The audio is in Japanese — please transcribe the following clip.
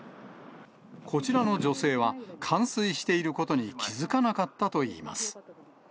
こちらの女性は冠水していることに気付かなかったといいます。